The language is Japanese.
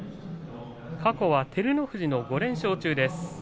過去は照ノ富士の５連勝中です。